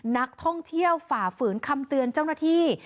นักท่องเที่ยวฝ่าฝืนคำเตือนเจ้าหน้าที่